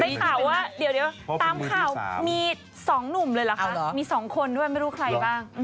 ได้ข่าวว่าเดี๋ยวตามข่าวมี๒หนุ่มเลยเหรอคะมี๒คนด้วยไม่รู้ใครบ้าง